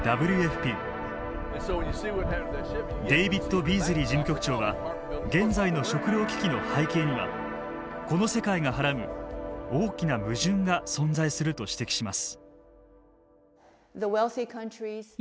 デイビッド・ビーズリー事務局長は現在の食料危機の背景にはこの世界がはらむ大きな矛盾が存在すると指摘します。